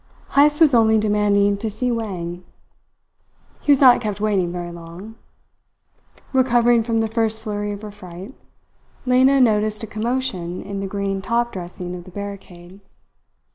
Heyst was only demanding to see Wang. He was not kept waiting very long. Recovering from the first flurry of her fright, Lena noticed a commotion in the green top dressing of the barricade.